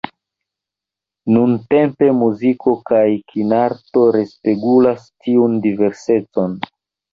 Nuntempe muziko kaj kinarto respegulas tiun diversecon.